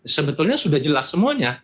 sebetulnya sudah jelas semuanya